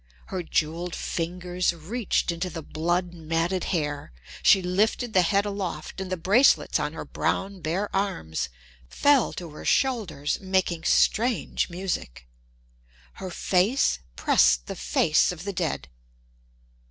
Her jeweled fingers reached into the blood matted hair. She lifted the head aloft, and the bracelets on her brown, bare arms fell to her shoulders, making strange music. Her face pressed the face of the dead.